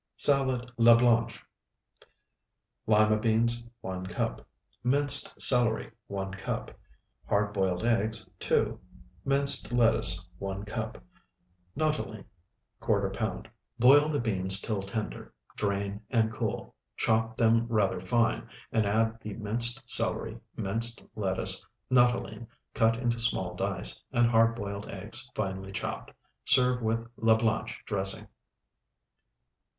SALAD LA BLANCHE Lima beans, 1 cup. Minced celery, 1 cup. Hard boiled eggs, 2. Minced lettuce, 1 cup. Nuttolene, ¼ pound. Boil the beans till tender, drain, and cool. Chop them rather fine, and add the minced celery, minced lettuce, nuttolene cut into small dice, and hard boiled eggs finely chopped. Serve with La Blanche dressing.